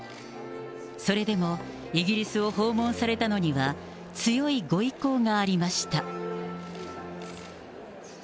それでも、イギリスを訪問されたのには、強いご意向がありました。